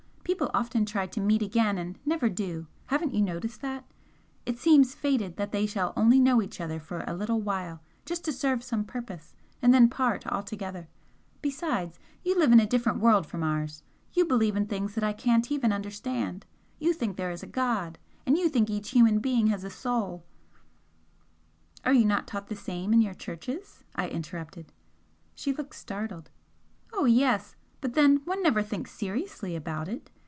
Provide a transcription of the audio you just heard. People often try to meet again and never do haven't you noticed that? It seems fated that they shall only know each other for a little while just to serve some purpose, and then part altogether. Besides, you live in a different world from ours. You believe in things that I can't even understand You think there is a God and you think each human being has a soul " "Are you not taught the same in your churches?" I interrupted. She looked startled. "Oh yes! but then one never thinks seriously about it!